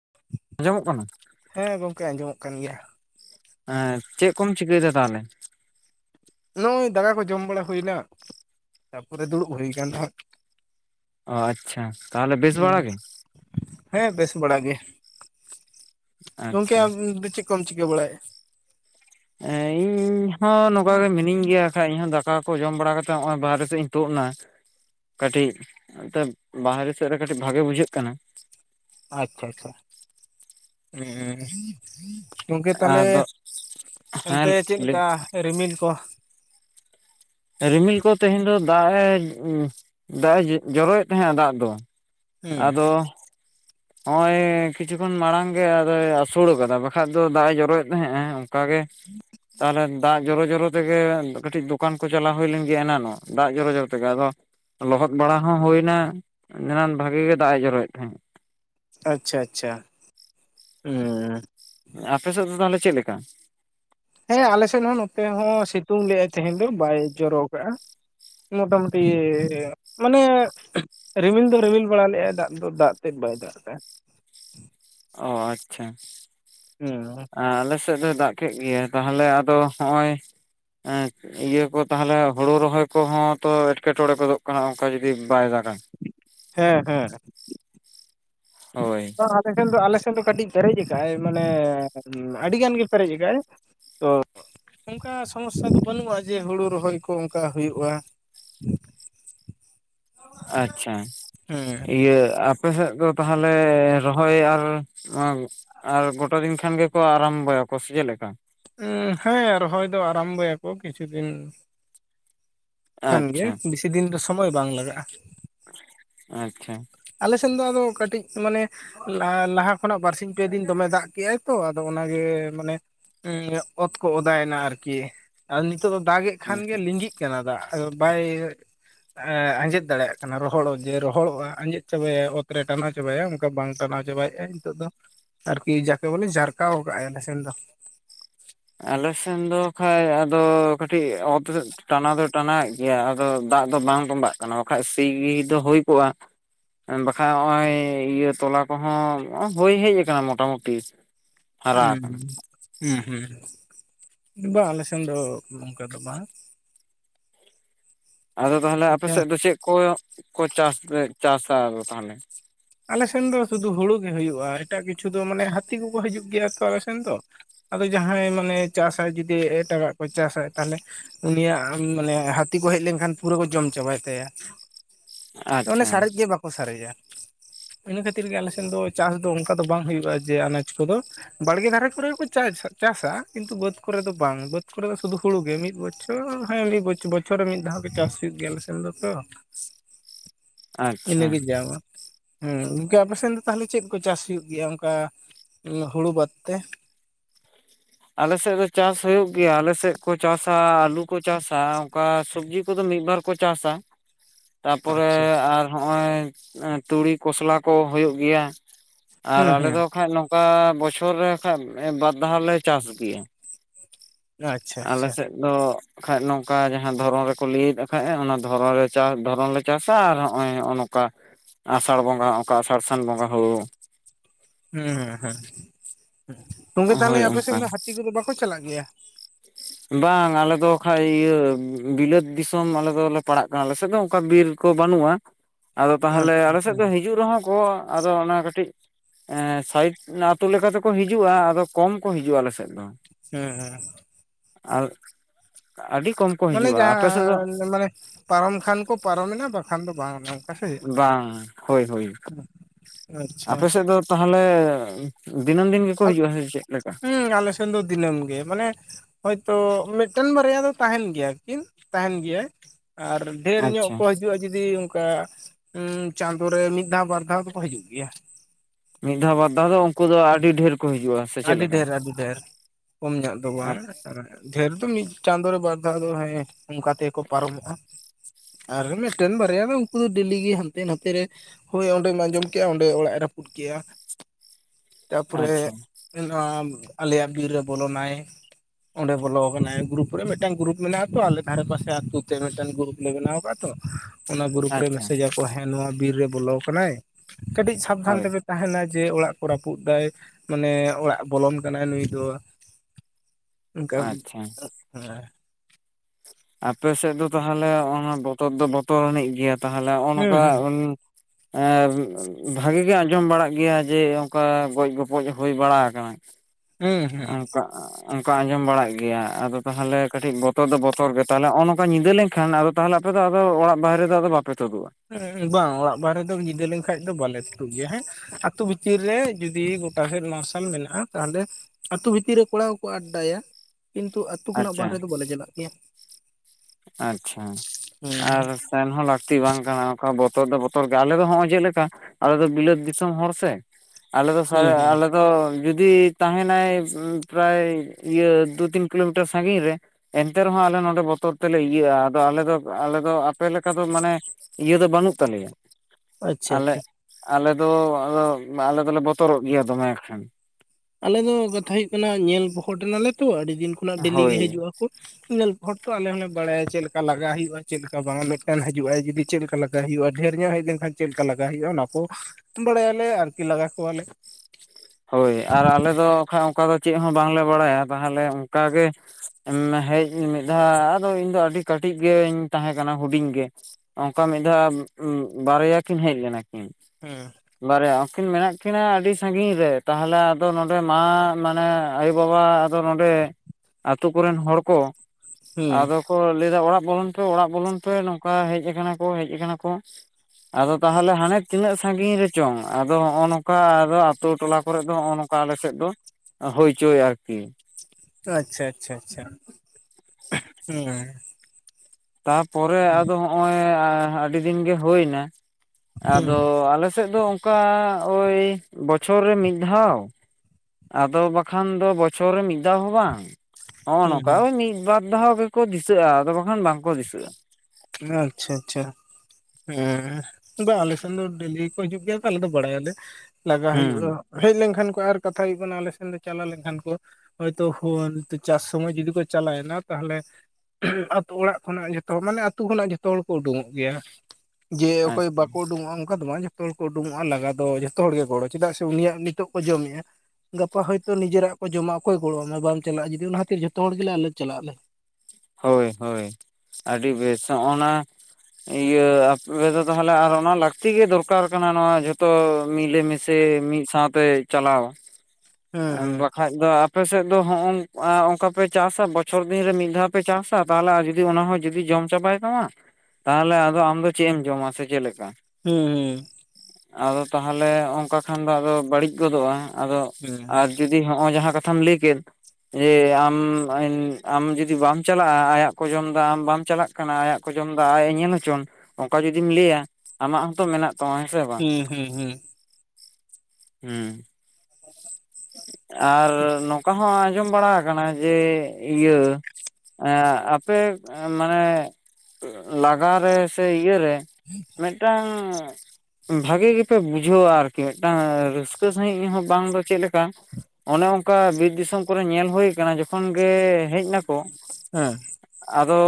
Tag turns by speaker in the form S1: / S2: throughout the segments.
S1: [inaudible]
S2: ᱟᱸᱡᱚᱢᱚᱜ ᱠᱟᱱᱟ?
S1: ᱦᱮᱸ ᱜᱚᱝᱠᱮ ᱟᱸᱡᱚᱢᱚᱜ ᱠᱟᱱ ᱜᱮᱭᱟ᱾
S2: ᱮᱸ ᱪᱮᱫ ᱠᱚᱢ ᱪᱤᱠᱟᱹᱭ ᱫᱟ ᱛᱟᱦᱚᱞᱮ?
S1: ᱱᱚᱜᱼᱚᱭ ᱫᱟᱠᱟ ᱠᱚ ᱡᱚᱢ ᱵᱟᱲᱟ ᱦᱩᱭ ᱱᱟ ᱛᱟᱯᱚᱨᱮ ᱫᱩᱲᱩᱵ ᱦᱩᱭ ᱟᱠᱟᱱ ᱦᱟᱸᱜ᱾
S2: ᱟᱪᱪᱷᱟ, ᱛᱟᱦᱚᱞᱮ ᱵᱮᱥ ᱵᱟᱲᱟ ᱜᱮ?
S1: ᱦᱮᱸ ᱵᱮᱥ ᱵᱟᱲᱟ ᱜᱮ, ᱜᱚᱝᱠᱮ
S2: ᱟᱪᱪᱷᱟ
S1: ᱟᱢ ᱫᱚ ᱪᱮᱫ ᱠᱚᱢ ᱪᱤᱠᱟᱹ ᱵᱟᱲᱟᱭ?
S2: ᱦᱮᱸ ᱤᱧ ᱦᱚᱸ ᱱᱚᱝᱠᱟ ᱜᱮ ᱢᱤᱱᱟᱹᱧ ᱜᱮᱭᱟ ᱠᱷᱟᱡ ᱤᱧ ᱦᱚᱸ ᱫᱟᱠᱟ ᱠᱚ ᱡᱚᱢ ᱵᱟᱲᱟ ᱠᱟᱛᱮᱫ ᱱᱚᱜ-ᱚᱭ ᱵᱟᱦᱨᱮ ᱥᱮᱫ ᱤᱧ ᱛᱩᱫ ᱱᱟ᱾ ᱠᱟᱹᱴᱤᱡ ᱮ ᱵᱟᱦᱨᱮ ᱥᱮᱫ ᱨᱮ ᱠᱟᱹᱴᱤᱡ ᱵᱷᱟᱜᱮ ᱵᱩᱡᱷᱟᱹᱜ ᱠᱟᱱᱟ᱾
S1: ᱟᱪᱪᱷᱟ ᱟᱪᱪᱷᱟ [inaudible] ᱜᱚᱝᱠᱮ ᱛᱟᱦᱚᱞᱮ
S2: ᱟᱫᱚ
S1: ᱚᱱᱛᱮ
S2: ᱦᱮᱸ
S1: ᱪᱮᱫ ᱞᱮᱠᱟ ᱨᱤᱢᱤᱞ ᱠᱚ
S2: ᱨᱤᱢᱤᱞ ᱠᱚ ᱛᱮᱦᱮᱧ ᱫᱚ ᱫᱟᱜ ᱮ ᱫᱟᱜ ᱮ ᱡᱚᱨᱚᱭᱮᱫ ᱛᱟᱦᱮᱸᱱᱟ ᱫᱟᱜ ᱫᱚ
S1: ᱦᱩᱸ
S2: ᱟᱫᱚ ᱱᱚᱜ-ᱚᱭ ᱠᱤᱪᱷᱩ ᱠᱷᱚᱱ ᱢᱟᱲᱟᱝ ᱜᱮ ᱟᱫᱚᱭ ᱟᱥᱩᱲ ᱠᱟᱫᱟ ᱵᱟᱠᱷᱟᱡ ᱫᱚ ᱫᱟᱜ ᱮ ᱡᱚᱨᱚᱭᱮᱫ ᱛᱟᱦᱮᱸᱜᱼᱟ᱾ ᱚᱱᱠᱟ ᱜᱮ ᱛᱟᱦᱚᱞᱮ ᱫᱟᱜ ᱡᱚᱨᱚ ᱡᱚᱨᱚ ᱛᱮᱜᱮ ᱠᱟᱹᱴᱤᱡ ᱫᱚᱠᱟᱱ ᱠᱚ ᱪᱟᱞᱟᱣ ᱦᱩᱭ ᱞᱮᱱ ᱜᱮᱭᱟ ᱮᱱᱟᱱᱚᱜ ᱫᱟᱜ ᱡᱚᱨᱚ ᱡᱚᱨᱚ ᱛᱮᱜᱮ ᱟᱫᱚ ᱞᱚᱦᱚᱫ ᱵᱟᱲᱟ ᱦᱚᱸ ᱦᱩᱭᱱᱟ ᱮᱱᱟᱱ ᱵᱷᱟᱜᱤ ᱜᱮ ᱫᱟᱜ ᱮ ᱡᱚᱨᱚᱭᱮᱫ ᱛᱟᱦᱮᱸᱫ᱾
S1: ᱟᱪᱪᱷᱟ ᱟᱪᱪᱷᱟ ᱦᱩᱸ
S2: ᱟᱯᱮᱥᱮᱫ ᱫᱚ ᱛᱟᱦᱚᱞᱮ ᱪᱮᱫ ᱞᱮᱠᱟ?
S1: ᱦᱮᱸ ᱟᱞᱮᱥᱮᱱ ᱦᱚᱸ ᱱᱚᱛᱮ ᱦᱚᱸ ᱥᱤᱛᱩᱝ ᱞᱮᱜ-ᱟᱭ ᱛᱮᱦᱮᱧ ᱫᱚ ᱵᱟᱭ ᱡᱚᱨᱚ ᱠᱟᱜᱼᱟ᱾ ᱢᱳᱴᱟᱢᱩᱴᱤ ᱢᱟᱱᱮ ᱨᱤᱢᱤᱞ ᱫᱚ ᱨᱤᱢᱤᱞ ᱵᱟᱲᱟ ᱞᱮᱜ-ᱟᱭ ᱫᱟᱜ ᱫᱚ ᱫᱟᱜ ᱛᱮᱫ ᱵᱟᱭ ᱫᱟᱜ ᱮᱫᱟ᱾
S2: ᱚ ᱟᱪᱪᱷᱟ
S1: ᱦᱮᱸ
S2: ᱟᱞᱮᱥᱮᱫ ᱫᱚᱭ ᱫᱟᱜ ᱠᱮᱫ ᱜᱮᱭᱟ ᱛᱟᱦᱚᱞᱮ ᱟᱫᱚ ᱦᱚᱸᱜᱼᱚᱭ ᱤᱭᱟᱹ ᱠᱚ ᱛᱟᱦᱚᱞᱮ ᱦᱳᱲᱳ ᱨᱚᱦᱚᱭ ᱠᱚᱦᱚᱸ ᱛᱚ ᱮᱴᱠᱮᱴᱚᱬᱮ ᱜᱚᱫᱚᱜ ᱠᱟᱱᱟ ᱚᱱᱠᱟ ᱡᱩᱫᱤ ᱵᱟᱭ ᱫᱟᱜᱟ᱾
S1: ᱦᱮᱸ ᱦᱮᱸ
S2: ᱦᱳᱭ
S1: ᱟᱞᱮ ᱥᱮᱱ ᱫᱚ ᱟᱞᱮᱥᱮᱱ ᱫᱚ ᱠᱟᱹᱴᱤᱡ ᱯᱮᱨᱮᱡ ᱠᱟᱜᱼᱟᱭ ᱢᱟᱱᱮ ᱟᱹᱰᱤ ᱜᱟᱱ ᱜᱮ ᱯᱮᱨᱮᱡ ᱠᱟᱜᱼᱟᱭ ᱛᱚ ᱚᱱᱠᱟ ᱥᱚᱢᱚᱥᱥᱟ ᱫᱚ ᱵᱟᱹᱱᱩᱜᱼᱟ, ᱡᱮ ᱦᱩᱲᱩ ᱨᱚᱦᱚᱭ ᱠᱚ ᱚᱱᱠᱟ ᱦᱩᱭᱩᱜᱼᱟ᱾
S2: ᱟᱪᱪᱷᱟ
S1: ᱦᱮᱸ
S2: ᱤᱭᱟᱹ ᱟᱯ ᱟᱯᱮ ᱥᱮᱫ ᱫᱚ ᱛᱟᱦᱚᱞᱮ ᱨᱚᱦᱚᱭ ᱟᱨ ᱢᱟᱞ ᱟᱨ ᱜᱚᱴᱟ ᱫᱤᱱ ᱠᱷᱟᱱ ᱜᱮᱠᱚ ᱟᱨᱟᱢᱵᱚᱭᱟ ᱠᱚ ᱥᱮ ᱪᱮᱫ ᱞᱮᱠᱟ?
S1: ᱦᱮᱸ ᱨᱚᱦᱚᱭ ᱫᱚ ᱟᱨᱚᱢᱵᱚᱭᱟᱠᱚ ᱠᱤᱪᱷᱩ ᱫᱤᱱ ᱠᱷᱟᱱ ᱜᱮ
S2: ᱟᱪᱪᱷᱟ
S1: ᱵᱮᱥᱤ ᱫᱤᱱ ᱫᱚ ᱥᱚᱢᱚᱭ ᱵᱟᱝ ᱞᱟᱜᱟᱼᱟ᱾
S2: ᱟᱪᱪᱷᱟ
S1: ᱟᱞᱮ ᱥᱮᱱ ᱫᱚ ᱟᱫᱚ ᱠᱟᱹᱴᱤᱡ ᱢᱟᱱᱮ ᱞᱟᱦᱟ ᱞᱟᱦᱟ ᱠᱷᱚᱱᱟᱜ ᱵᱟᱨᱥᱤᱧ ᱯᱮ ᱫᱤᱱ ᱫᱚᱢᱮ ᱫᱟᱜ ᱠᱮᱜ-ᱟᱭ ᱛᱚ ᱟᱫᱚ ᱚᱱᱟᱜᱮ ᱢᱟᱱᱮ ᱚᱛ ᱠᱚ ᱚᱫᱟᱭᱮᱱᱟ ᱟᱨᱠᱤ ᱟᱫᱚ ᱱᱤᱛᱚᱜ ᱫᱚ ᱫᱟᱜ ᱜᱮᱜ
S2: ᱦᱮᱸ
S1: ᱠᱷᱟᱱᱜᱮ ᱞᱤᱸᱜᱤᱜ ᱠᱟᱱᱟ ᱫᱟᱜ ᱵᱟᱭ ᱟᱸᱡᱮᱫ ᱫᱟᱲᱮᱭᱟᱜ ᱠᱟᱱᱟ ᱨᱚᱦᱚᱲᱚᱜ ᱡᱮ ᱨᱚᱦᱚᱲᱚᱜᱼᱟ᱾ ᱟᱸᱡᱮᱫ ᱪᱟᱵᱟᱭᱟ ᱚᱛᱨᱮ ᱴᱟᱱᱟᱣ ᱪᱟᱵᱟᱭᱟ ᱚᱱᱠᱟ ᱵᱟᱝ ᱴᱟᱱᱟᱣ ᱪᱟᱵᱟᱭᱮᱫᱼᱟ ᱱᱤᱛᱚᱜ ᱫᱚ ᱟᱨᱠᱤ ᱡᱟᱠᱮ ᱵᱚᱞᱮ ᱡᱟᱨᱠᱟᱣ ᱠᱟᱜ-ᱟᱭ ᱟᱞᱮ ᱥᱮᱱ ᱫᱚ
S2: ᱟᱞᱮ ᱥᱮᱱ ᱫᱚ ᱠᱷᱟᱱᱡ ᱟᱫᱚ ᱠᱟᱹᱴᱤᱡ ᱚᱛ ᱨᱮ ᱴᱟᱱᱟᱣ ᱫᱚ ᱴᱟᱱᱟᱮᱫ ᱜᱮᱭᱟ ᱟᱫᱚ ᱫᱟᱜ ᱫᱚ ᱵᱟᱝ ᱛᱚᱸᱵᱟᱜ ᱠᱟᱱᱟ ᱵᱟᱠᱷᱟᱡ ᱥᱤ ᱜᱤ ᱫᱚ ᱦᱩᱭ ᱠᱚᱜᱼᱟ᱾ ᱵᱟᱠᱷᱟᱡ ᱦᱚᱸᱜᱼᱚᱭ ᱤᱭᱟᱹ ᱛᱚᱞᱟ ᱠᱚᱦᱚᱸ ᱦᱩᱭ ᱦᱮᱡ ᱟᱠᱟᱱᱟ ᱢᱚᱴᱟ ᱢᱩᱴᱤ [inaudible]
S1: ᱩᱸ ᱦᱩᱸ ᱦᱩᱸ ᱵᱟᱝ ᱟᱞᱮ ᱥᱮᱱ ᱫᱚ ᱱᱚᱝᱠᱟ ᱫᱚ ᱵᱟᱝ᱾
S2: ᱟᱫᱚ ᱛᱟᱦᱚᱞᱮ ᱟᱯᱮ
S1: ᱟᱪᱪᱷᱟ
S2: ᱥᱮᱫ ᱫᱚ ᱪᱮᱫ ᱠᱚ ᱠᱚ ᱪᱟᱥ ᱪᱟᱥᱟ ᱟᱫᱚ ᱛᱟᱦᱚᱞᱮ
S1: ᱟᱞᱮ ᱥᱮᱱ ᱫᱚ ᱥᱩᱫᱷᱩ ᱦᱩᱲᱩ ᱜᱮ ᱦᱩᱭᱩᱜᱼᱟ ᱮᱴᱟᱜ ᱠᱤᱪᱷᱩ ᱫᱚ ᱢᱟᱱᱮ ᱦᱟᱹᱛᱤ ᱠᱚᱠᱚ ᱦᱟᱹᱡᱩᱜ ᱜᱮᱭᱟ ᱛᱚ ᱟᱞᱮ ᱥᱮᱱ ᱫᱚ᱾ ᱟᱫᱚ ᱡᱟᱦᱟᱸᱭ ᱢᱟᱱᱮ ᱪᱟᱥᱟ ᱡᱩᱫᱤ ᱮᱴᱟᱜᱟᱜ ᱠᱚᱭ ᱪᱟᱥᱟ ᱛᱟᱦᱚᱞᱮ ᱩᱱᱤᱭᱟᱜ ᱢᱟᱱᱮ ᱦᱟᱹᱛᱤ ᱠᱚ ᱦᱮᱡ ᱞᱮᱱᱠᱷᱟᱱ ᱯᱩᱨᱟᱹ ᱠᱚ ᱡᱚᱢ ᱪᱟᱵᱟᱭ ᱛᱟᱭᱟ᱾ ᱚᱱᱮ
S2: ᱟᱪᱪᱷᱟ
S1: ᱥᱟᱨᱮᱡ ᱜᱮ ᱵᱟᱠᱚ ᱥᱟᱨᱮᱡᱟ ᱤᱱᱟᱹ ᱠᱷᱟᱹᱛᱤᱨ ᱜᱮ ᱟᱞᱮ ᱥᱮᱱ ᱫᱚ ᱪᱟᱥ ᱫᱚ ᱚᱱᱠᱟ ᱫᱚ ᱵᱟᱝ ᱦᱩᱭᱩᱜᱼᱟ᱾ ᱡᱮ ᱟᱱᱟᱡ ᱠᱚᱫᱚ ᱵᱟᱲᱜᱮ ᱫᱷᱟᱨᱮ ᱠᱚᱨᱮ ᱦᱚᱠᱚ ᱪᱟᱪ ᱪᱟᱥᱟ ᱠᱤᱱᱛᱩ ᱵᱟᱹᱫᱽ ᱠᱚᱨᱮ ᱫᱚ ᱵᱟᱝ ᱵᱟᱹᱫᱽ ᱠᱚᱨᱮ ᱫᱚ ᱥᱩᱫᱩ ᱦᱩᱲᱩ ᱜᱮ ᱢᱤᱫ ᱵᱚᱪᱚᱨ ᱦᱮᱸ ᱢᱤᱫᱚ ᱵᱚᱪᱷᱚᱨ ᱨᱮ ᱢᱤᱫ ᱫᱷᱟᱣ ᱜᱮ ᱪᱟᱥ ᱦᱩᱭᱩᱜ ᱜᱮᱭᱟᱞᱮᱥᱮᱱ ᱫᱚ ᱛᱚ᱾
S2: [inaudible]
S1: ᱤᱱᱟᱹᱜᱮ ᱡᱟᱢ ᱦᱮᱸ ᱜᱚᱝᱠᱮ ᱟᱯᱮᱥᱮᱫ ᱫᱚ ᱛᱟᱦᱚᱞᱮ ᱪᱮᱫ ᱠᱚ ᱪᱟᱥ ᱦᱩᱭᱩᱜ ᱜᱮᱭᱟ ᱚᱱᱠᱟ ᱦᱩᱲᱩ ᱵᱟᱫ ᱛᱮ
S2: ᱟᱞᱮᱥᱮᱫ ᱫᱚ ᱪᱟᱥ ᱦᱩᱭᱩᱜ ᱜᱮᱭᱟ ᱟᱞᱮᱥᱮᱫ ᱠᱚ ᱪᱟᱥ ᱟ ᱟᱹᱞᱩ ᱠᱚ ᱪᱟᱥ ᱟ ᱚᱱᱠᱟ ᱥᱚᱵᱡᱤ ᱠᱚᱫᱚ ᱢᱤᱫᱵᱟᱨ ᱠᱚ ᱪᱟᱥ ᱟ ᱛᱟᱯᱚᱨᱮ
S1: ᱟᱪᱪᱷᱟ
S2: ᱟᱨ ᱦᱚᱜᱼᱚᱭ ᱛᱩᱲᱤ ᱠᱚᱥᱞᱟ ᱠᱚ ᱦᱩᱭᱩᱜ ᱜᱮᱭᱟ ᱟᱨ
S1: ᱦᱮᱸ
S2: ᱟᱞᱮ
S1: ᱦᱮᱸ
S2: ᱫᱚ ᱠᱷᱟᱡ ᱱᱚᱝᱠᱟ ᱵᱚᱪᱷᱚᱨ ᱨᱮ ᱠᱷᱟᱡ ᱵᱟᱨᱫᱷᱟᱣ ᱞᱮ ᱪᱟᱥ ᱜᱮᱭᱟ
S1: ᱟᱪᱪᱷᱟ
S2: ᱟᱞᱮ
S1: ᱟᱪᱪᱷᱟ
S2: ᱥᱮᱫ ᱫᱚ ᱠᱷᱟᱡ ᱱᱚᱝᱠᱟ ᱡᱟᱦᱟᱸ ᱫᱷᱚᱨᱚᱱ ᱨᱮᱠᱚ ᱞᱟᱹᱭᱮᱫ ᱠᱷᱟᱡ ᱚᱱᱟ ᱫᱷᱚᱨᱚᱱ ᱨᱮ ᱫᱷᱚᱨᱚᱱ ᱞᱮ ᱪᱟᱥᱟ ᱟᱨ ᱱᱚᱜᱼᱚᱭ ᱱᱚᱜᱼᱚ ᱱᱚᱝᱠᱟ ᱟᱥᱟᱲ ᱵᱚᱸᱜᱟ ᱚᱱᱠᱟ ᱟᱥᱟᱲ ᱥᱟᱱ ᱵᱚᱸᱜᱟ ᱦᱳᱲᱳ
S1: ᱦᱮᱸ ᱦᱮᱸ ᱦᱮᱸ ᱛᱚᱸᱵᱮ ᱛᱟᱦᱚᱞᱮ
S2: ᱦᱳᱭ ᱚᱱᱠᱟ᱾
S1: ᱟᱯᱮᱥᱮᱫ ᱫᱚ ᱦᱟᱹᱛᱤ ᱠᱚᱫᱚ ᱵᱟᱠᱚ ᱪᱟᱞᱟᱜ ᱜᱮᱭᱟ
S2: ᱵᱟᱝ ᱟᱞᱮ ᱫᱚ ᱠᱷᱟᱡ ᱤᱭᱟᱹ ᱵᱤᱞᱟᱹᱛ ᱫᱤᱥᱚᱢ ᱟᱞᱮ ᱫᱚᱞᱮ ᱯᱟᱲᱟᱜ ᱠᱟᱱᱟ ᱟᱞᱮᱥᱮᱫ ᱫᱚ ᱚᱱᱠᱟ ᱵᱤᱨ ᱠᱚ ᱵᱟᱹᱱᱩᱜᱼᱟ ᱟᱫᱚ
S1: ᱦᱮᱸ
S2: ᱛᱟᱦᱚᱞᱮ ᱟᱞᱮ ᱥᱮᱫ ᱫᱚ ᱦᱤᱡᱩᱜ ᱨᱮᱦᱚᱸ ᱠᱚ ᱟᱫᱚ ᱚᱱᱟ ᱠᱟᱹᱴᱤᱡ ᱥᱟᱭᱤᱴ ᱟᱛᱩ ᱞᱮᱠᱟᱛᱮᱠᱚ ᱦᱤᱡᱩᱜᱼᱟ ᱟᱫᱚ ᱠᱚᱢ ᱠᱚ ᱦᱤᱡᱩᱜᱼᱟ ᱟᱞ ᱥᱮᱫ ᱫᱚ
S1: ᱦᱮᱸ ᱦᱮᱸ
S2: ᱟᱨ ᱟᱹᱰᱤ ᱠᱚᱢ ᱠᱚ
S1: ᱢᱟᱱᱮ
S2: ᱦᱤᱡᱩᱜᱼᱟ ᱟᱯᱮ ᱥᱮᱫ ᱫᱚ
S1: ᱡᱟᱦᱟᱸ ᱢᱟᱱᱮ ᱯᱟᱨᱚᱢ ᱠᱷᱟᱱ ᱠᱚ ᱯᱟᱨᱚᱢᱮᱱᱟ ᱵᱟᱠᱷᱟᱱ ᱫᱚ ᱵᱟᱝ ᱥᱮ
S2: ᱵᱟᱝ ᱦᱳᱭ ᱦᱳᱭ
S1: ᱪᱮᱫ?
S2: ᱟᱯᱮ
S1: ᱟᱪᱪᱷᱟ
S2: ᱥᱮᱫ ᱫᱚ ᱛᱟᱦᱚᱞᱮ ᱫᱤᱱᱟᱹᱢ ᱫᱤᱱ ᱜᱮᱠᱚ ᱦᱤᱡᱩᱜᱼᱟ ᱥᱮ ᱪᱮᱫ ᱞᱮᱠᱟ
S1: ᱦᱩᱸ ᱫᱤᱱᱟᱹᱢ ᱜᱮ ᱢᱟᱱᱮ ᱦᱳᱭᱛᱚ ᱢᱤᱫᱴᱮᱱ ᱵᱟᱨᱭᱟ ᱫᱚ ᱛᱟᱦᱮᱱ ᱜᱮᱭᱟ ᱠᱤᱱ ᱛᱟᱦᱮᱱ ᱜᱮᱭᱟᱭ ᱟᱨ ᱰᱷᱮᱨ ᱧᱚᱜ
S2: ᱟᱪᱪᱷᱟ
S1: ᱠᱚ ᱦᱤᱡᱩᱜᱼᱟ ᱡᱩᱫᱤ ᱚᱱᱠᱟ ᱪᱟᱸᱫᱳ ᱨᱮ ᱢᱤᱫ ᱫᱷᱟᱣ ᱵᱟᱨ ᱫᱷᱟᱣ ᱫᱚᱠᱚ ᱦᱤᱡᱩᱜ ᱜᱮᱭᱟ
S2: ᱢᱤᱫ ᱫᱷᱟᱣ ᱵᱟᱨ ᱫᱷᱟᱣ ᱫᱚ ᱩᱱᱠᱩ ᱫᱚ ᱟᱹᱰᱤ ᱰᱷᱮᱨ ᱠᱚ ᱦᱤᱡᱩᱜᱼᱟ ᱥᱮ ᱪᱮᱫ
S1: ᱟᱹᱰᱤ
S2: ᱞᱮᱠᱟ
S1: ᱰᱷᱮᱨ ᱟᱹᱰᱤ ᱰᱷᱮᱨ ᱠᱚᱢ ᱧᱚᱜ ᱫᱚ
S2: ᱟᱨ
S1: ᱵᱟᱝ ᱰᱷᱮᱨ ᱫᱚ ᱢᱤᱫ ᱪᱟᱸᱫᱳ ᱨᱮ ᱵᱟᱨ ᱫᱷᱟᱣ ᱫᱚ ᱦᱮᱸ ᱚᱱᱠᱟ ᱛᱮᱜᱮᱠᱚ ᱯᱟᱨᱚᱢᱚᱜᱼᱟ ᱟᱨ ᱢᱤᱫᱴᱮᱱ ᱵᱟᱨᱭᱟ ᱫᱚ ᱩᱱᱠᱩ ᱫᱚ ᱰᱮᱞᱤ ᱜᱮ ᱦᱟᱱᱛᱮ ᱱᱟᱛᱮ ᱨᱮ ᱦᱳᱭ ᱚᱸᱰᱮᱢ ᱟᱸᱡᱚᱢ ᱠᱮᱜᱼᱟ ᱚᱸᱰᱮ ᱚᱲᱟᱜ ᱮ ᱨᱟᱹᱯᱩᱫ ᱠᱮᱜᱼᱟ ᱛᱟᱨᱯᱚᱨᱮ
S2: ᱟᱪᱪᱷᱟ
S1: ᱱᱚᱣᱟ ᱟᱞᱮᱭᱟᱜ ᱵᱤᱨ ᱨᱮ ᱵᱚᱞᱚᱱᱟᱭ ᱚᱸᱰᱮ ᱵᱚᱞᱚ ᱠᱟᱱᱟᱭ ᱜᱩᱨᱩᱯ ᱨᱮ ᱢᱤᱫᱴᱟᱝ ᱜᱩᱨᱩᱯ ᱢᱮᱱᱟᱜ ᱟᱛᱚ ᱟᱞᱮ ᱫᱷᱟᱨᱮ ᱯᱟᱥᱮ ᱟᱛᱳ ᱛᱮ ᱢᱤᱫᱴᱟᱝ ᱜᱩᱨᱩᱯ ᱞᱮ ᱵᱮᱱᱟᱣ ᱠᱟᱜ-ᱟ ᱛᱚ ᱚᱱᱟ ᱜᱩᱨᱩᱯ ᱨᱮ
S2: ᱟᱪᱪᱷᱟ
S1: ᱢᱮᱥᱮᱡᱟᱠᱚ ᱦᱮᱸ ᱱᱚᱶᱟ ᱵᱤᱨ ᱨᱮ ᱵᱚᱞᱚ ᱠᱟᱱᱟᱭ ᱠᱟᱹᱴᱤᱡ ᱥᱟᱵᱫᱷᱟᱱ
S2: ᱦᱳᱭ
S1: ᱛᱮᱯᱮ ᱛᱟᱦᱮᱱᱟ ᱡᱮ ᱚᱲᱟᱜ ᱨᱟᱹᱯᱩᱫ ᱫᱟᱭ ᱢᱟᱱᱮ ᱚᱲᱟᱜ ᱵᱚᱞᱚᱱ ᱠᱟᱱᱟᱭ ᱱᱩᱭ ᱫᱚ ᱚᱱᱠᱟ ᱦᱮᱸ
S2: ᱟᱪᱪᱷᱟ ᱟᱯᱮ ᱥᱮᱫ ᱫᱚ ᱛᱟᱦᱚᱞᱮ ᱚᱱᱟ ᱵᱚᱛᱚᱨ ᱫᱚ ᱵᱚᱛᱚᱨ ᱟᱹᱱᱤᱡ ᱜᱮᱭᱟ ᱛᱟᱦᱚᱞᱮ ᱱᱚᱜᱼᱚ
S1: ᱦᱩᱸ
S2: ᱱᱚᱝᱠᱟ ᱟᱨ ᱵᱷᱟᱜᱮ ᱜᱮ ᱟᱸᱡᱚᱢ ᱵᱟᱲᱟᱜ ᱜᱮᱭᱟ ᱡᱮ ᱚᱱᱠᱟ ᱜᱚᱡ ᱜᱚᱯᱚᱡ ᱦᱩᱭ ᱵᱟᱲᱟ ᱠᱟᱱᱟ
S1: ᱦᱩᱸ ᱦᱩᱸ
S2: ᱚᱝᱠᱟ ᱚᱝᱠᱟ ᱟᱸᱡᱚᱢ ᱵᱟᱲᱟᱜ ᱜᱮᱭᱟ ᱟᱫᱚ ᱛᱟᱦᱚᱞᱮ ᱠᱟᱹᱴᱤᱡ ᱵᱚᱛᱚᱨ ᱫᱚ ᱵᱚᱛᱚᱨ ᱜᱮ ᱛᱟᱦᱚᱞᱮ ᱱᱚᱜᱼᱚ ᱱᱚᱝᱠᱟ ᱧᱤᱫᱟᱹ ᱞᱮᱱᱠᱷᱟᱱ ᱟᱫᱚ ᱛᱟᱦᱚᱞᱮ ᱟᱯᱮ ᱟᱫᱚ ᱚᱲᱟᱜ ᱵᱟᱦᱮᱨᱮ ᱫᱚ ᱟᱫᱚ ᱵᱟᱯᱮ ᱛᱩᱫᱩᱜᱼᱟ
S1: ᱦᱮᱸ ᱵᱟᱝ ᱚᱲᱟᱜ ᱵᱟᱦᱨᱮ ᱫᱚ ᱧᱤᱫᱟᱹ ᱞᱮᱱᱠᱷᱟᱡ ᱫᱚ ᱵᱟᱞᱮ ᱛᱩᱫᱩᱜ ᱜᱮᱭᱟ ᱦᱮᱸ ᱟᱛᱳ ᱵᱷᱤᱛᱤᱨ ᱨᱮ ᱡᱩᱫᱤ ᱜᱚᱴᱟ ᱥᱮᱫ ᱢᱟᱨᱥᱟᱞ ᱢᱮᱱᱟᱜᱼᱟ ᱛᱟᱦᱚᱞᱮ ᱟᱹᱛᱳ ᱵᱷᱤᱛᱤᱨ ᱨᱮ ᱠᱚᱲᱟ ᱠᱚ ᱠᱚ ᱟᱰᱰᱟᱭᱟ ᱠᱤᱱᱛᱩ ᱟᱹᱛᱩ ᱠᱷᱚᱱᱟᱜ
S2: ᱟᱪᱪᱷᱟ
S1: ᱵᱟᱦᱟᱨᱮ ᱫᱚ ᱵᱟᱞᱮ ᱪᱟᱞᱟᱜ ᱜᱮᱭᱟ
S2: ᱟᱪᱪᱷᱟ ᱟᱨ
S1: ᱦᱩᱸ
S2: ᱥᱮᱱ ᱦᱚᱸ ᱞᱟᱹᱠᱛᱤ ᱵᱟᱝ ᱠᱟᱱᱟ ᱚᱝᱠᱟ ᱵᱚᱛᱚᱨ ᱫᱚ ᱵᱚᱛᱚᱨ ᱜᱮ ᱟᱞᱮ ᱫᱚ ᱱᱚᱜ ᱚᱭ ᱡᱮᱫ ᱞᱮᱠᱟ ᱟᱞᱮᱫᱚ ᱵᱤᱞᱟᱹᱛ ᱫᱤᱥᱚᱢ ᱦᱚᱲ ᱥᱮ ᱟᱞᱮ ᱫᱚ ᱥᱟᱭ
S1: ᱦᱩᱸ ᱦᱩᱸ
S2: ᱟᱞᱮ ᱛᱚ ᱡᱩᱫᱤ ᱛᱟᱦᱮᱱᱟᱭ ᱯᱨᱟᱭ ᱤᱭᱟᱹ ᱫᱩ ᱛᱤᱱ ᱠᱤᱞᱳᱢᱤᱴᱟᱨ ᱥᱟᱹᱜᱤᱧ ᱨᱮ ᱾ ᱮᱱᱛᱮ ᱨᱮᱦᱚᱸ ᱟᱞᱮ ᱱᱚᱸᱰᱮ ᱵᱚᱛᱚᱨ ᱾ ᱛᱮᱞᱮ ᱤᱭᱟᱹᱜ ᱟ ᱟᱫᱚ ᱟᱞᱮ ᱫᱚ ᱟᱞᱮ ᱫᱚ ᱟᱯᱮ ᱞᱮᱠᱟ ᱫᱚ ᱢᱟᱱᱮ ᱤᱭᱟᱹ ᱫᱚ ᱵᱟᱹᱱᱩᱜ ᱛᱟᱞᱮᱭᱟ ᱾
S1: ᱟᱪᱪᱷᱟ
S2: ᱟᱞᱮ
S1: ᱟᱪᱪᱷᱟ
S2: ᱟᱞᱮ ᱫᱚ ᱟᱞᱮ ᱫᱚᱞᱮ ᱵᱚᱛᱚᱨᱚᱜ ᱜᱮᱭᱟ ᱫᱚᱢᱮ ᱮᱱᱠᱷᱟᱱ ᱾
S1: ᱟᱞᱮ ᱫᱚ ᱠᱟᱛᱷᱟ ᱦᱩᱭᱩᱜ ᱠᱟᱱᱟ ᱧᱮᱞ ᱯᱚᱦᱚᱴ ᱮᱱᱟᱞᱮ ᱛᱚ ᱟᱹᱰᱤ ᱫᱤᱱ ᱠᱷᱚᱱᱟᱜ ᱰᱮᱞᱤ ᱜᱮ
S2: ᱦᱳᱭ
S1: ᱦᱤᱡᱩᱜ ᱟᱠᱚ ᱾ ᱤᱱᱟᱹᱞ ᱦᱚᱲ ᱛᱚ ᱟᱞᱮ ᱦᱚᱸᱞᱮ ᱵᱟᱲᱟᱭᱟ ᱪᱮᱫ ᱞᱮᱠᱟ ᱞᱟᱜᱟ ᱦᱩᱭᱩᱜᱼᱟ ᱪᱮᱫ ᱞᱮᱠᱟ ᱵᱟᱝ ᱢᱮᱫᱴᱮᱱ ᱦᱤᱡᱩᱜ ᱟᱭ ᱡᱩᱫᱤ ᱪᱮᱫ ᱞᱮᱠᱟᱞᱜᱟᱜ ᱟ ᱾ ᱞᱟᱜ ᱦᱩᱭᱩᱜ ᱟ ᱰᱷᱮᱨ ᱧᱚᱜ ᱦᱮᱡ ᱞᱮᱱᱠᱷᱟᱱ ᱪᱮᱫ ᱞᱮᱠᱟ ᱞᱟᱜᱟ ᱦᱩᱭᱩᱜ ᱟ ᱚᱱᱟ ᱠᱚ ᱵᱟᱲᱟᱭᱟᱞᱮ ᱟᱨᱠᱤ ᱞᱟᱜᱟ ᱠᱚᱣᱟᱞᱮ ᱾
S2: ᱦᱳᱭ ᱟᱨ ᱟᱞᱮᱫ ᱫᱚ ᱚᱠᱷᱟ ᱚᱱᱠᱟ ᱫᱚ ᱪᱮᱫ ᱦᱚᱸ ᱵᱟᱝᱞᱮ ᱵᱟᱲᱟᱭᱟ ᱛᱟᱦᱚᱞᱮ ᱚᱱᱠᱟ ᱜᱮ ᱾ ᱦᱮᱡ ᱢᱤᱫ ᱫᱷᱟᱣ ᱟᱫᱚ ᱤᱧ ᱫᱚ ᱟᱹᱰᱤ ᱠᱟᱹᱴᱤᱡᱽ ᱜᱮᱧ ᱛᱟᱦᱮ ᱠᱟᱱᱟ ᱦᱩᱰᱤᱧ ᱜᱮ ᱾ ᱚᱱᱠᱟ ᱢᱤᱫ ᱫᱷᱟᱣ ᱵᱟᱨᱭᱟ ᱠᱤᱱ ᱦᱮᱡ ᱞᱮᱱᱟ ᱠᱤᱱ ᱾
S1: ᱦᱩᱸ
S2: ᱵᱟᱨᱭᱟ ᱩᱱᱠᱤᱱ ᱢᱮᱱᱟᱜ ᱠᱤᱱᱟᱹ ᱟᱹᱰᱤ ᱥᱟᱹᱜᱤᱧ ᱨᱮ ᱾ ᱛᱟᱦᱚᱞᱮ ᱟᱫᱚ ᱱᱚᱰᱮ ᱢᱟ ᱢᱟᱱᱮ ᱟᱭᱳᱵᱟᱵᱟ ᱟᱫᱚ ᱱᱚᱱᱰᱮ ᱾ ᱟᱛᱳ ᱠᱚᱨᱮᱱ ᱦᱚᱲ ᱠᱚ
S1: ᱦᱩᱸ
S2: ᱟᱫᱚ ᱾ ᱠᱚ ᱞᱟᱹᱭ ᱫᱟ ᱚᱲᱟᱜ ᱵᱚᱞᱚᱱ ᱯᱮ ᱚᱲᱟᱜ ᱵᱚᱞᱚᱱ ᱯᱮ ᱱᱚᱝᱠᱟ ᱦᱮᱡ ᱠᱟᱱᱟ ᱠᱚ ᱦᱮᱡ ᱠᱟᱱᱟ ᱠᱚ ᱾ ᱟᱫᱚ ᱛᱟᱦᱚᱞᱮ ᱦᱟᱱᱮ ᱛᱤᱱᱟᱹᱜ ᱥᱟᱹᱜᱤᱧ ᱨᱮᱪᱚᱝ ᱟᱫᱚ ᱦᱚᱸᱚ ᱱᱚᱝᱠᱟ ᱟᱫᱚ ᱟᱛᱳ ᱴᱚᱞᱟ ᱾ ᱠᱚᱚᱨᱮ ᱫᱚ ᱦᱚᱸᱚ ᱱᱚᱝᱠᱟ ᱟᱞᱮ ᱥᱮᱫ ᱫᱚ ᱦᱳᱭᱪᱳᱭ ᱟᱨᱠᱤ ᱾
S1: ᱟᱪᱪᱷᱟ ᱟᱪᱪᱷᱟ ᱟᱪᱪᱷᱟ ᱦᱩᱸᱻ ᱾
S2: ᱛᱟᱨᱯᱚᱨᱮ ᱟᱫᱚ ᱱᱚᱚᱭ ᱟᱸ ᱟᱹᱰᱤ ᱫᱤᱱ ᱜᱮ ᱦᱳᱭ ᱱᱟ ᱾
S1: ᱦᱩᱸ
S2: ᱟᱫᱚ ᱟᱞᱮ ᱥᱮᱫ ᱫᱚ ᱚᱱᱠᱟ ᱳᱭ ᱵᱚᱪᱷᱚᱨ ᱨᱮ ᱢᱤᱫ ᱫᱷᱟᱣ ᱾ ᱟᱫᱚ ᱵᱟᱠᱷᱟᱱ ᱫᱚ ᱵᱚᱪᱷᱚᱨ ᱨᱮ ᱢᱤᱫ ᱫᱷᱟᱣ ᱦᱚᱸ ᱵᱟᱝ ᱱᱚᱜ ᱚ ᱱᱚᱝᱠᱟ
S1: ᱦᱩᱸ
S2: ᱢᱤᱫ ᱵᱟᱫ ᱾ ᱫᱷᱟᱣ ᱜᱮᱠᱚ ᱫᱤᱥᱟᱹᱜ ᱟ ᱟᱫᱚ ᱵᱟᱠᱷᱟᱱ ᱵᱟᱝᱠᱚ ᱫᱤᱥᱟᱹᱜ ᱟ ᱾
S1: ᱟᱪᱪᱷᱟ ᱟᱪᱪᱷᱟ ᱾ ᱚᱸ ᱵᱟ ᱟᱞᱮ ᱥᱮᱱ ᱫᱚ ᱰᱮᱞᱤ ᱠᱚ ᱦᱤᱡᱩᱜ ᱜᱮᱭᱟ ᱛᱚ ᱟᱞᱮ ᱫᱚ ᱵᱟᱲᱟᱭᱟᱞᱮ ᱾ ᱞᱟᱜᱟ ᱦᱩᱭᱩᱜ ᱨᱮ ᱦᱚ
S2: ᱦᱩᱸ
S1: ᱦᱮᱡ ᱞᱮᱱᱠᱷᱟᱱ ᱠᱚ ᱟᱨ ᱠᱟᱛᱷᱟ ᱦᱩᱭᱩᱜ ᱠᱟᱱᱟ ᱟᱞᱮ ᱥᱮᱱ ᱞᱮ ᱪᱟᱞᱟ ᱞᱮᱱᱠᱷᱟᱱ ᱠᱚ ᱾ ᱦᱚᱳᱭᱛᱚ ᱦᱩᱣᱟᱝ ᱪᱟᱥ ᱥᱚᱢᱚᱭ ᱡᱩᱫᱤ ᱠᱚ ᱪᱟᱞᱟᱣᱮᱱᱟ ᱛᱟᱦᱚᱞᱮ ᱾ ᱟᱹᱛᱩ ᱚᱲᱟᱜ ᱠᱷᱚᱱᱟᱜ ᱡᱚᱛᱚ ᱢᱟᱱᱮ ᱟᱹᱛᱩ ᱠᱷᱚᱱᱟᱜ ᱡᱷᱚᱛᱚ ᱦᱚᱲ ᱠᱚ ᱩᱰᱩᱝᱚᱜ ᱜᱮᱭᱟ ᱡᱮ ᱚᱠᱚᱭ
S2: ᱟᱪᱪᱷᱟ
S1: ᱵᱟᱠᱚ ᱩᱰᱩᱝᱚᱜ ᱟ ᱚᱱᱠᱟ ᱫᱚ ᱵᱟᱝ ᱾ ᱡᱚᱛᱚ ᱦᱚᱲ ᱠᱚ ᱩᱰᱩᱝᱚᱜ ᱟ ᱞᱟᱜᱟ ᱫᱚ ᱡᱚᱛᱚ ᱦᱚᱲᱜᱮ ᱜᱚᱲᱚ ᱪᱮᱫᱟᱜ ᱥᱮ ᱩᱱᱤᱭᱟᱜ ᱱᱤᱛᱚᱜ ᱠᱚ ᱡᱚᱢᱮᱜ ᱟ ᱾ ᱜᱟᱯᱟ ᱦᱚᱭᱛᱚ ᱱᱤᱡᱮᱨᱟᱜ ᱠᱚ ᱡᱚᱢᱟ ᱚᱠᱚᱭ ᱜᱚᱲᱚᱜ ᱟᱢᱟ ᱵᱟᱢ ᱪᱟᱞᱟᱜ ᱟ ᱡᱩᱫᱤ ᱚᱱᱟ ᱠᱷᱟᱹᱛᱤᱨ ᱡᱚᱛᱚ ᱦᱚᱲ ᱜᱮᱞᱮ ᱟᱞᱮ ᱪᱟᱞᱟᱜ ᱟᱞᱮ ᱾
S2: ᱦᱳᱭ ᱦᱳᱭ ᱟᱹᱰᱤ ᱵᱮᱥ ᱦᱚᱸᱜᱱᱟ ᱾ ᱤᱭᱟᱹ ᱟᱯᱮ ᱫᱚ ᱛᱟᱦᱚᱞᱮ ᱟᱨ ᱚᱱᱟ ᱞᱟᱹᱠᱛᱤ ᱜᱮ ᱫᱚᱨᱠᱟᱨ ᱠᱟᱱᱟ ᱱᱚᱣᱟ ᱡᱷᱚᱛᱚ ᱢᱤᱞᱮ ᱢᱤᱥᱮ ᱾ ᱥᱮ ᱢᱤᱫ ᱥᱟᱶᱛᱮ ᱪᱟᱞᱟᱣ
S1: ᱦᱮᱸ
S2: ᱾
S1: ᱦᱮᱸ
S2: ᱵᱟᱠᱷᱟᱡ ᱫᱚ ᱟᱯᱮ ᱥᱮᱫ ᱫᱚ ᱦᱜᱚᱸᱝ ᱠᱟ ᱯᱮ ᱪᱟᱥᱟ ᱵᱚᱪᱷᱚᱨ ᱫᱤᱱ ᱨᱮ ᱢᱤᱫ ᱫᱷᱟᱣ ᱾ ᱯᱮ ᱪᱟᱥᱟ ᱛᱟᱦᱚᱞᱮ ᱟᱨ ᱡᱩᱫᱤ ᱚᱱᱟ ᱦᱚᱸ ᱡᱩᱫᱤ ᱡᱚᱢ ᱪᱟᱵᱟᱭ ᱛᱟᱢᱟ ᱾ ᱛᱟᱦᱚᱞᱮ ᱟᱫᱚ ᱟᱢᱫᱚ ᱪᱮᱫ ᱮᱢ ᱡᱚᱢᱟ ᱥᱮ ᱪᱮᱫ ᱞᱮᱠᱟ?
S1: ᱦᱩᱸ ᱦᱩᱸ ᱾
S2: ᱟᱫᱚ ᱛᱟᱦᱚᱞᱮ ᱚᱝᱱᱠᱟ ᱠᱷᱟᱱ ᱫᱚ ᱟᱫᱚ ᱵᱟᱹᱲᱤᱡ ᱜᱚᱫᱚᱜ ᱟ ᱟᱫᱚ
S1: ᱦᱩᱸ
S2: ᱟᱨ ᱾ ᱡᱩᱫᱤ ᱦᱚᱸᱜ ᱚ ᱡᱟᱦᱟ ᱠᱟᱛᱷᱟᱢ ᱞᱟᱹᱭ ᱠᱮᱫ ᱡᱮ ᱟᱢ ᱮᱱ ᱟᱢ ᱡᱩᱫᱤ ᱵᱟᱢ ᱾ ᱪᱟᱞᱟᱜ ᱟ ᱟᱭᱟᱜ ᱠᱚ ᱡᱚᱢ ᱫᱟ ᱟᱢ ᱵᱟᱢ ᱪᱟᱞᱟᱜ ᱠᱟᱱᱟ ᱟᱭᱟᱜ ᱠᱚ ᱡᱚᱢ ᱫᱟ ᱟᱡ ᱮ ᱧᱮᱞ ᱦᱚᱪᱚᱱ ᱚᱱᱠᱟ ᱡᱩᱫᱤᱢ ᱞᱟᱹᱭᱟ᱾ ᱟᱢᱟᱜ ᱦᱚᱸᱛᱚ ᱢᱮᱱᱟᱜ ᱛᱟᱢᱟ ᱦᱮ ᱥᱮ ᱵᱟᱝ
S1: ᱦᱩᱸ ᱦᱩᱸ ᱦᱩᱸ
S2: ᱦᱩᱸ ᱾
S1: ᱦ [inaudible]
S2: ᱟᱨ ᱱᱚᱝᱠᱟ ᱦᱚ ᱟᱸᱡᱚᱢ ᱵᱟᱲᱟ ᱠᱟᱱᱟ ᱡᱮ ᱤᱭᱟᱹ ᱾ ᱮᱸ ᱟᱯᱮ ᱢᱟᱱᱮ ᱞᱟᱜᱟ ᱨᱮ ᱥᱮ ᱤᱭᱟᱹ ᱨᱮ ᱾ ᱢᱮᱫᱴᱟᱝ ᱾ ᱵᱷᱟᱜᱮ ᱜᱮᱯᱮ ᱵᱩᱡᱷᱟᱹᱣᱟ ᱟᱨᱠᱤ ᱢᱤᱫᱴᱟᱝ ᱨᱟᱹᱥᱠᱟᱹ ᱥᱟᱹᱦᱤᱡ ᱦᱚᱸ ᱵᱟᱝ ᱫᱚ ᱪᱮᱫᱞᱮᱠᱟ᱾ ᱠᱟ ᱚᱱᱮ ᱚᱝᱠᱟ ᱵᱤᱨ ᱫᱤᱥᱚᱢ ᱠᱚᱨᱮ ᱧᱮᱞ ᱦᱳᱭ ᱠᱟᱱᱟ ᱡᱚ ᱛᱚᱠᱷᱚᱱ ᱜᱮ ᱦᱮᱡ ᱱᱟᱠᱚ
S1: ᱦᱮᱸ
S2: ᱾ ᱟᱫᱚ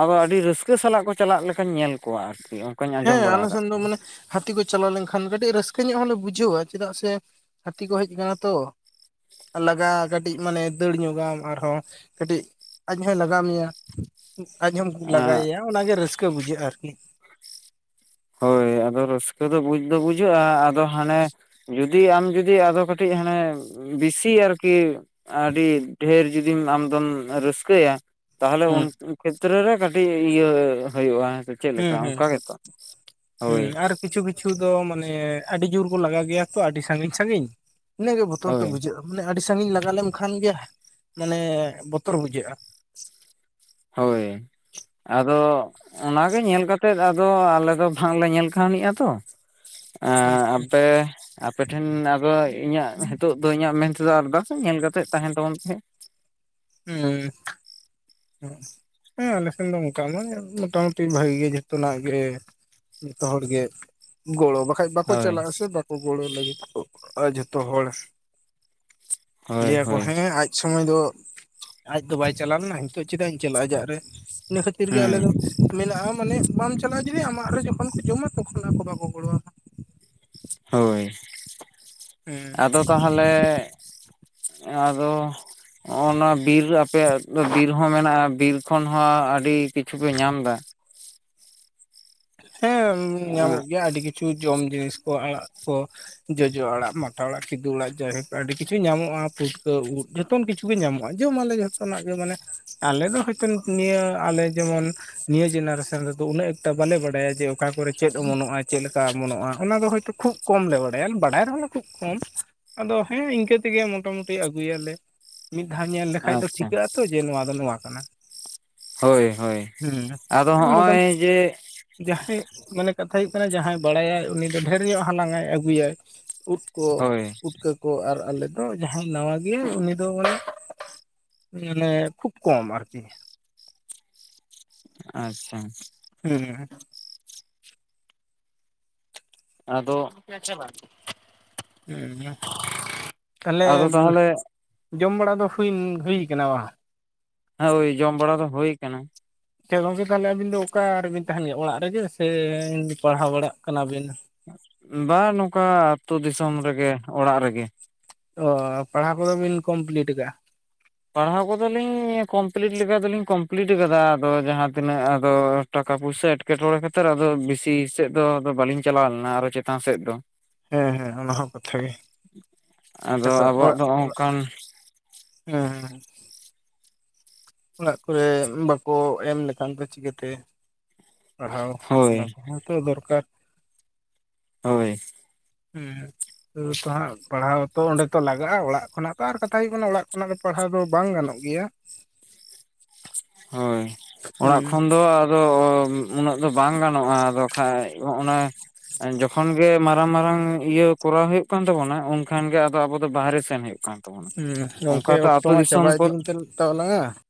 S2: ᱟᱫᱚ ᱟᱹᱰᱤ ᱨᱟᱹᱥᱠᱟᱹ ᱥᱟᱞᱟᱜ ᱠᱚ ᱪᱟᱞᱟᱜ ᱞᱮᱠᱷᱟᱧ ᱧᱮᱞ ᱠᱚᱣᱟ ᱟᱨᱠᱤ ᱾
S1: ᱦᱮᱸ ᱟᱞᱮ ᱥᱮᱱ ᱫᱚ ᱢᱟᱱᱮ ᱦᱟᱹᱛᱤ ᱠᱚ ᱪᱟᱞᱟᱣ ᱞᱮᱱᱠᱷᱟᱱ ᱠᱟᱹᱴᱤᱡ ᱨᱟᱹᱥᱠᱟᱹ ᱧᱚᱜ ᱦᱚᱸᱞᱮ ᱵᱩᱡᱷᱟᱹᱣᱟ ᱪᱮᱫᱟᱜ ᱥᱮ ᱦᱟᱹᱛᱤ ᱠᱚ ᱦᱮᱡ ᱠᱟᱱᱟ ᱛᱚ ᱾ ᱞᱟᱜᱟᱜ ᱠᱟᱹᱴᱤᱡ ᱢᱟᱱᱮ ᱫᱟᱹᱲ ᱧᱚᱜᱟᱢ ᱟᱨᱦᱚᱸ ᱠᱟᱹᱴᱤᱡ ᱟᱡ ᱦᱚᱭ ᱞᱟᱜᱟ ᱢᱮᱭᱟ ᱟᱡ ᱦᱚᱸᱚᱢ
S2: ᱠᱚᱣᱟ
S1: ᱞᱟᱜᱟᱭᱮᱭᱟ ᱚᱱᱟᱜᱮ ᱨᱟᱹᱥᱠᱟᱹ ᱵᱩᱡᱷᱟᱹᱜᱼᱟ ᱟᱨᱠᱤ ᱾
S2: ᱦᱳᱭ ᱟᱫᱚ ᱨᱟᱹᱥᱠᱟᱹ ᱫᱚ ᱵᱩᱡᱽ ᱫᱚ ᱵᱩᱡᱟᱹᱜᱼᱟ ᱟᱫᱚ ᱦᱟᱱᱮ ᱡᱩᱫᱤ ᱟᱢ ᱡᱩᱫᱤ ᱟᱫᱚ ᱠᱟᱹᱴᱤᱡ ᱦᱟᱱᱮ ᱵᱤᱥᱤ ᱟᱨᱠᱤ ᱟᱹᱰᱤ ᱰᱷᱮᱨ ᱡᱩᱫᱤᱢ ᱟᱢᱫᱢ ᱨᱟᱹᱥᱠᱟᱹᱭᱟ ᱾ ᱛᱟᱦᱚᱞᱮ ᱩᱱ
S1: ᱦᱩᱸ
S2: ᱠᱷᱮᱛᱨᱮ ᱨᱮ ᱠᱟᱹᱴᱤᱡ ᱤᱭᱟᱹ ᱦᱩᱭᱩᱜᱼᱟ ᱦᱮᱸ ᱪᱮᱫ ᱞᱮᱠᱟ ᱚᱱᱠᱟ ᱜᱮᱛᱚ?
S1: ᱦᱮᱸ
S2: ᱦᱳᱭ
S1: ᱟᱨ ᱠᱤᱪᱷᱩ ᱠᱤᱪᱷᱩ ᱫᱚ ᱢᱟᱱᱮ ᱟᱹᱰᱤ ᱡᱳᱨ ᱠᱚ ᱞᱟᱜᱟᱣ ᱜᱮᱭᱟ ᱛᱚ ᱟᱹᱰᱤ ᱥᱟᱺᱜᱤᱧ ᱥᱟᱺᱜᱤᱧ ᱾ ᱤᱱᱟᱹᱜ ᱜᱮ ᱵᱚᱛᱚᱨ ᱫᱚ
S2: ᱦᱳᱭ
S1: ᱵᱩᱡᱷᱟᱹᱜᱼᱟ ᱢᱟᱱᱮ ᱟᱹᱰᱤ ᱥᱟᱺᱜᱤᱧ ᱞᱟᱜᱟ ᱞᱮᱢ ᱠᱷᱟᱱ ᱜᱮ ᱢᱟᱱᱮ ᱵᱚᱛᱚᱨ ᱵᱩᱡᱷᱟᱹᱜᱼᱟ ᱾
S2: ᱦᱳᱭ ᱾ ᱟᱫᱚ ᱚᱱᱟ ᱜᱮ ᱧᱮᱞ ᱠᱟᱛᱮᱫ ᱟᱫᱚ ᱟᱞᱮ ᱫᱚ ᱵᱟᱝᱞᱮ ᱧᱮᱞ ᱠᱟᱹᱣᱟᱱᱤᱜᱼᱟ ᱛᱚ ᱮᱸ ᱟᱯᱮ ᱟᱯᱮ ᱴᱷᱮᱱ ᱟᱫᱚ ᱤᱧᱟᱹᱜ ᱱᱤᱛᱚᱜ ᱫᱚ ᱤᱧᱟᱹᱜ ᱢᱮᱱ ᱛᱮᱫᱚ ᱟᱨ ᱫᱟᱥ ᱧᱮᱞ ᱠᱟᱛᱮᱫ ᱛᱟᱦᱮᱱ ᱛᱟᱵᱚᱱ ᱯᱮ
S1: ᱦᱩᱸ ᱦᱮᱸ ᱢᱮᱱᱠᱷᱱ ᱫᱚ ᱚᱱᱠᱟ ᱢᱟ ᱢᱳᱚᱴᱟᱢᱩᱴᱤ ᱵᱷᱟᱜᱤ ᱜᱮ ᱡᱚᱛᱚ ᱱᱟᱜ ᱜᱮ ᱡᱚᱛᱚ ᱦᱚᱲ ᱜᱮ ᱜᱚᱲᱚ ᱵᱟᱠᱷᱟᱡ ᱵᱟᱠᱚ
S2: ᱦᱳᱭ
S1: ᱪᱟᱞᱟᱜᱼᱟ ᱥᱮ ᱵᱟᱠᱚ ᱜᱚᱲᱚ ᱞᱟᱹᱜᱤᱫᱼᱟ ᱡᱷᱚᱛᱚ ᱦᱚᱲ
S2: ᱦᱳᱭ
S1: ᱞᱟᱹᱭᱟᱠᱚ
S2: ᱦᱳᱭ
S1: ᱦᱮᱸ ᱟᱡ ᱥᱚᱢᱚᱭ ᱫᱚ ᱟᱡ ᱫᱚ ᱵᱟᱭ ᱪᱟᱞᱟᱣ ᱞᱮᱱᱟ ᱱᱤᱛᱚᱜ ᱪᱮᱫᱟᱜ ᱤᱧ ᱪᱟᱞᱟᱜᱼᱟ ᱾ᱟᱡᱟᱜ ᱨᱮ ᱤᱱᱟᱹ ᱠᱷᱟᱹᱛᱤᱨ ᱜᱮ ᱟᱞᱮ
S2: ᱦᱩᱸ
S1: ᱫᱚ ᱢᱮᱱᱟᱜᱼᱟ ᱢᱟᱱᱮ ᱵᱟᱢ ᱪᱟᱞᱟᱜᱼᱟ ᱡᱩᱫᱤ ᱟᱢᱟᱜ ᱨᱮ ᱡᱚᱠᱷᱚᱱ ᱠᱚ ᱡᱚᱢᱟ ᱛᱚᱠᱷᱚᱱ ᱟᱠᱚ ᱵᱟᱠᱚ ᱜᱚᱲᱚᱼᱟᱢᱟ ᱾
S2: ᱦᱳᱭ
S1: ᱦᱮᱸ
S2: ᱟᱫᱚ ᱛᱟᱦᱚᱞᱮ ᱟᱫᱚ ᱦᱚᱸᱜ ᱱᱚᱣᱟ ᱵᱤᱨ ᱟᱯᱮᱭᱟᱜ ᱫᱚ ᱵᱤᱨ ᱦᱚᱸ ᱢᱮᱱᱟᱜᱼᱟ ᱵᱤᱨ ᱠᱷᱚᱱ ᱦᱚᱸ ᱟᱹᱰᱤ ᱠᱤᱪᱷᱩ ᱯᱮ ᱧᱟᱢ ᱫᱟ ᱾
S1: ᱦᱮᱸ ᱧᱟᱢᱚᱜ ᱜᱮᱭᱟ ᱟᱹᱰᱤ ᱠᱤᱪᱷᱩ ᱡᱚᱢ ᱡᱤᱱᱤᱥ ᱠᱚ ᱟᱲᱟᱜ ᱠᱚ ᱡᱚᱡᱚ ᱟᱲᱟᱜ ᱢᱟᱴᱷᱟ ᱟᱲᱟᱜ ᱠᱤᱫᱩ ᱟᱲᱟᱜ ᱡᱟᱭᱦᱠ ᱟᱹᱰᱤ ᱠᱤᱪᱷᱩ ᱧᱟᱢᱚᱜᱼᱟ ᱯᱷᱩᱴᱠᱟᱹ ᱩᱫ ᱡᱚᱛᱚᱱ ᱠᱤᱪᱷᱩ ᱜᱮ ᱧᱟᱢᱚᱜᱼᱟ ᱡᱚᱢᱟᱞᱮ ᱡᱚᱛᱚᱱᱟᱜ ᱜᱮ ᱢᱟᱱᱮ ᱟᱞᱮ ᱫᱚ ᱦᱚᱭᱛᱳ ᱱᱤᱛ ᱱᱤᱭᱟᱹ ᱟᱞᱮ ᱡᱮᱢᱚᱱ ᱱᱤᱭᱟᱹ ᱡᱮᱱᱟᱨᱮᱥᱚᱱ ᱨᱮᱫᱚ ᱩᱱᱟᱹᱜ ᱮᱠᱴᱟ ᱵᱟᱞᱮ ᱵᱟᱰᱟᱭᱟ ᱡᱮ ᱚᱠᱟ ᱠᱚᱨᱮ ᱪᱮᱫ ᱚᱢᱚᱱᱚᱜᱼᱟ ᱾ ᱪᱮᱫ ᱞᱮᱠᱟ ᱚᱢᱚᱱᱚᱜᱼᱟ ᱚᱱᱟ ᱫᱚ ᱦᱚᱭᱛᱚ ᱠᱷᱩᱵ ᱠᱚᱢ ᱞᱮ ᱵᱟᱲᱟᱭᱟ ᱵᱟᱰᱟᱭ ᱨᱮᱦᱚᱸ ᱞᱮ ᱠᱷᱩᱵ ᱠᱚᱢ ᱟᱫᱚ ᱦᱮᱸ ᱤᱱᱠᱟᱹ ᱛᱮᱜᱮ ᱢᱚᱴᱤ ᱢᱩᱴᱤ ᱟᱹᱜᱩᱭᱟᱞᱮ ᱢᱤᱫ ᱫᱷᱟᱣ ᱧᱮᱞ ᱞᱮᱠᱷᱟᱡ ᱫᱚ
S2: ᱟᱪᱪᱷᱟ
S1: ᱴᱷᱤᱠᱟᱹᱜ ᱟᱛᱚ ᱡᱮ ᱱᱚᱣᱟ ᱫᱚ ᱱᱚᱣᱟ ᱠᱟᱱᱟ ᱾
S2: ᱦᱳᱭ ᱦᱳᱭ ᱟᱫᱚ
S1: ᱢᱚᱴᱟᱢᱩᱴᱤ
S2: ᱦᱚᱜᱼᱚᱭ ᱡᱮ
S1: ᱡᱟᱦᱟᱸᱭ ᱢᱟᱱᱮ ᱠᱟᱛᱷᱟ ᱦᱩᱭᱩᱜ ᱠᱟᱱᱟ ᱡᱟᱦᱟᱸᱭ ᱵᱟᱲᱟᱭᱟᱭ ᱩᱱᱤ ᱫᱚ ᱰᱷᱮᱨ ᱧᱚᱜ ᱦᱟᱞᱟᱝᱟᱭ ᱟᱹᱜᱩᱭᱟᱭ ᱩᱫ ᱠᱚ
S2: ᱦᱳᱭ
S1: ᱯᱩᱴᱠᱟᱹ ᱠᱚ ᱟᱨ ᱟᱞᱮ ᱫᱚ ᱡᱟᱦᱟᱸᱭ ᱱᱟᱣᱟ ᱜᱮᱭᱟ ᱩᱱᱤ ᱫᱚ ᱢᱟᱱᱮ ᱢᱟᱱᱮ ᱠᱷᱩᱵ ᱠᱚᱢ ᱟᱨᱠᱤ
S2: ᱟᱪᱷᱟ ᱾
S1: ᱦᱮᱸ ᱦᱮᱸᱸ [inaudible]
S2: ᱟᱫᱚ [unintelligible]
S1: ᱛᱟᱦᱚᱞᱮ
S2: ᱟᱫᱚ ᱛᱟᱦᱚᱞᱮ
S1: ᱡᱚᱢ ᱵᱟᱲᱟ ᱫᱚ ᱦᱩᱭ ᱦᱩᱭ ᱠᱟᱱᱟ ᱵᱟᱝ?
S2: ᱦᱮᱸ ᱳᱭ ᱡᱚᱢ ᱵᱟᱲᱟ ᱫᱚ ᱦᱩᱭᱟ ᱟᱠᱟᱱᱟ
S1: ᱟᱪᱷᱟ ᱜᱚᱝᱠᱮ ᱛᱟᱦᱚᱞᱮ ᱟᱹᱵᱤᱱ ᱫᱚ ᱚᱠᱟ ᱨᱮᱵᱤᱱ ᱛᱟᱦᱮᱱ ᱜᱮᱭᱟ ᱚᱲᱟᱜ ᱨᱮᱜᱮ ᱥᱮ ᱯᱟᱲᱦᱟᱣ ᱵᱟᱲᱟᱜ ᱠᱟᱱᱟ ᱵᱤᱱ?
S2: ᱵᱟᱝ ᱱᱚᱝᱠᱟ ᱟᱹᱛᱩᱳ ᱫᱤᱥᱚᱢ ᱨᱮᱜᱮ ᱚᱲᱟᱜ ᱨᱮᱜᱮ᱾
S1: ᱚ ᱯᱟᱲᱦᱟᱣ ᱠᱚᱫᱚ ᱵᱤᱱ ᱠᱢᱯᱞᱤᱴ ᱟᱠᱟᱜᱼᱟ ᱾
S2: ᱯᱟᱲᱦᱟᱣ ᱠᱚᱫᱚᱞᱤᱧ ᱠᱚᱢᱯᱞᱤᱴ ᱞᱮᱠᱟ ᱫᱚᱞᱤᱧ ᱠᱚᱢᱯᱞᱤᱴ ᱟᱠᱟᱫᱟ ᱟᱫᱚ ᱡᱟᱦᱟᱸ ᱛᱤᱱᱟᱹᱜ ᱟᱫᱚ ᱾ ᱴᱟᱠᱟ ᱯᱚᱭᱥᱟ ᱮᱴᱠᱮᱴᱚᱬᱮ ᱠᱟᱛᱮᱛ ᱟᱫᱚ ᱵᱮᱥᱤ ᱥᱮᱫ ᱫᱚ ᱵᱟᱹᱞᱤᱧ ᱪᱟᱞᱟᱣ ᱞᱮᱱᱟ ᱟᱨᱦᱚᱸ ᱪᱮᱛᱟᱱ ᱥᱮᱫ ᱫᱚ
S1: ᱦᱮᱸ ᱦᱮᱸ ᱚᱱᱟ ᱦᱚᱸ ᱠᱟᱛᱷᱟ
S2: ᱟᱫᱚ
S1: ᱜᱮ ᱪᱮ [unintelligible]
S2: ᱟᱵᱚᱣᱟᱜ
S1: ᱚᱲᱟᱜ
S2: ᱫᱚ
S1: ᱚᱲᱟᱜ
S2: ᱚᱱᱠᱟᱱ
S1: ᱦᱸ ᱦᱸ [unintelligible] ᱚᱲᱟᱜ ᱠᱚᱨᱮ ᱵᱟᱠᱚ ᱮᱢ ᱞᱮᱠᱷᱟᱱ ᱫᱚ ᱪᱤᱠᱟᱹᱛᱮ? ᱯᱟᱲᱦᱟᱣ ᱚᱱᱟ
S2: ᱦᱳᱭ
S1: ᱠᱚᱦᱚᱸ ᱛᱚ ᱫᱚᱨᱠᱟᱨ
S2: ᱦᱳᱭ ᱾
S1: ᱦᱮᱸ ᱛᱳ ᱛᱚ ᱦᱟᱸᱜ ᱯᱟᱲᱦᱟᱣ ᱛᱚ ᱚᱸᱰᱮ ᱛᱚ ᱞᱟᱜᱼᱟ ᱚᱲᱟᱜ ᱠᱷᱚᱱᱟᱜᱚ ᱟᱨ ᱠᱟᱛᱷᱟ ᱦᱩᱭᱩᱜ ᱚᱬᱟᱜ ᱠᱷᱚᱱᱟᱜ ᱫᱚ ᱯᱟᱲᱦᱟᱣ ᱫᱚ ᱵᱟᱝ ᱜᱟᱱᱚᱜ ᱜᱮᱭᱟ᱾
S2: ᱦᱳᱭ ᱚᱲᱟᱜ
S1: ᱦᱩᱸ
S2: ᱠᱷᱚᱱ ᱫᱚ ᱟ... ᱟᱫᱚ ᱩᱱᱟᱹᱜ ᱫᱚ ᱵᱟᱝ ᱜᱟᱱᱚᱜᱼᱟ ᱟᱫᱚ ᱠᱷᱟᱱᱜ ᱚᱱᱟ ᱡᱚᱠᱷᱚᱱ ᱜᱮ ᱢᱟᱨᱟᱝ ᱢᱟᱨᱟᱝ ᱤᱭᱟᱹ ᱠᱚᱨᱟᱣ ᱦᱩᱭᱩᱜ ᱠᱟᱱ ᱛᱟᱵᱚᱱᱟ ᱩᱱᱠᱷᱟᱱ ᱜᱮ ᱟᱵᱚ ᱫᱚ ᱵᱟᱦᱨᱮ ᱥᱮᱱ ᱦᱩᱭᱩᱜ᱾ ᱠᱟᱱ ᱛᱟᱵᱚᱱᱟ
S1: ᱦᱩᱸ
S2: ᱚᱱᱠᱟᱛᱮᱚ ᱟ ᱟᱹᱛᱳ ᱫᱤᱥᱚᱢ ᱠᱚᱨᱮ
S1: ᱦᱟᱛᱟᱣ ᱞᱟᱜᱟ [inaudible]